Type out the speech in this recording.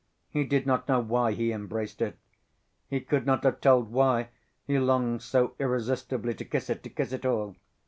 He did not know why he embraced it. He could not have told why he longed so irresistibly to kiss it, to kiss it all.